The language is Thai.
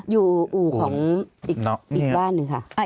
อู่ของอีกบ้านหนึ่งค่ะ